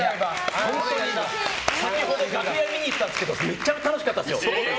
先ほど楽屋見に行ったんですけどめっちゃ楽しかったですよ。